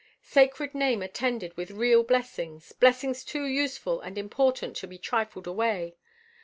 Sacred name attended with real blessings blessings too useful and important to be trifled away.